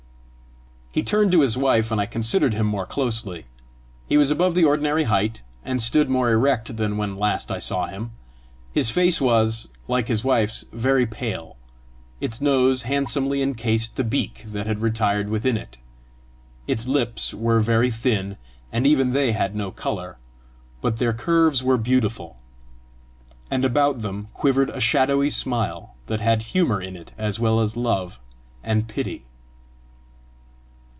He turned to his wife, and I considered him more closely. He was above the ordinary height, and stood more erect than when last I saw him. His face was, like his wife's, very pale; its nose handsomely encased the beak that had retired within it; its lips were very thin, and even they had no colour, but their curves were beautiful, and about them quivered a shadowy smile that had humour in it as well as love and pity.